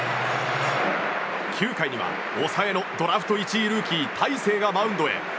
９回には抑えのドラフト１位ルーキー、大勢がマウンドへ。